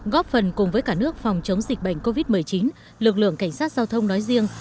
góp phần cùng với cả nước phòng chống dịch bệnh covid một mươi chín lực lượng cảnh sát giao thông nói riêng